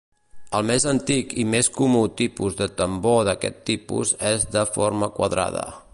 El més antic i més comú tipus de tambor d'aquest tipus és de forma quadrada.